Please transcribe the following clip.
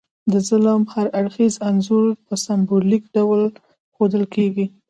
د ظلم هر اړخیز انځور په سمبولیک ډول ښودل کیږي.